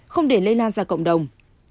không để lây lan ra cộng đồng